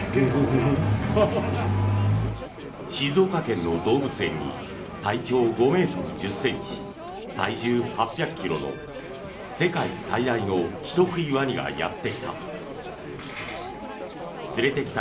静岡県の動物園に体長５ｍ１０ｃｍ体重８００ｋｇの世界最大の人食いワニがやってきた。